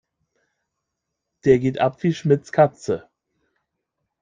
Der geht ab wie Schmitz' Katze.